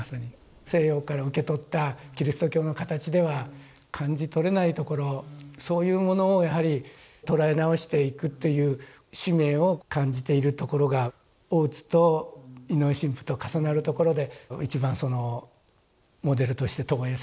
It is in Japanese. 西洋から受け取ったキリスト教の形では感じとれないところそういうものをやはり捉え直していくっていう使命を感じているところが大津と井上神父と重なるところで一番モデルとして投影されてるところなのかなと思います。